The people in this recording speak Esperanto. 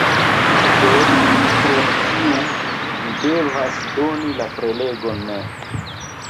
Do krom tiu, vi devas doni la prelegon mem.